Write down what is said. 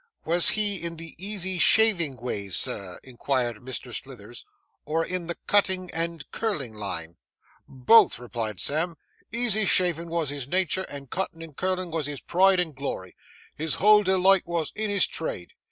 'Was he in the easy shaving way, sir,' inquired Mr. Slithers; 'or in the cutting and curling line?' 'Both,' replied Sam; 'easy shavin' was his natur', and cuttin' and curlin' was his pride and glory. His whole delight wos in his trade.